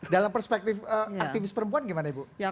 dalam perspektif aktivis perempuan bagaimana